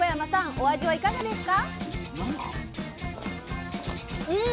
お味はいかがですか？